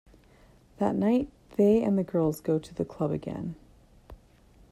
That night they and the girls go to the club again.